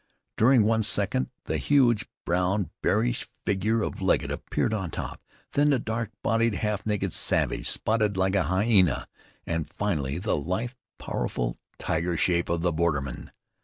During one second the huge, brown, bearish figure of Legget appeared on top; then the dark bodied, half naked savage, spotted like a hyena, and finally the lithe, powerful, tiger shape of the borderman.